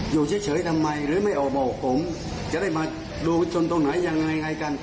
อยู่เฉยทำไมหรือไม่ออกมาบอกผมจะได้มาดูชนตรงไหนยังไงกัน